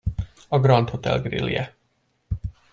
A Grand Hotel grillje.